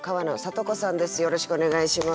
よろしくお願いします。